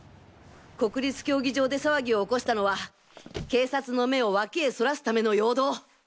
国立競技場で騒ぎを起こしたのは警察の目を脇へそらすための陽動。